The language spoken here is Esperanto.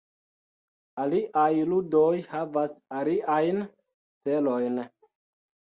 Aliaj ludoj havas aliajn celojn.